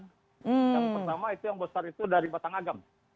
yang pertama itu yang besar itu dari batang agam